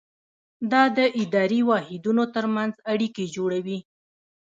دا د اداري واحدونو ترمنځ اړیکې جوړوي.